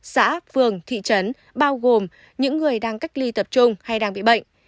xã phường thị trấn bao gồm những người đang cách ly tập trung hay đang bị bệnh